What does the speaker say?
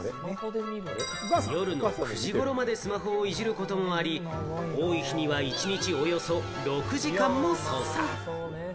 夜の９時頃までスマホをいじることもあり、多い日には一日およそ６時間も操作。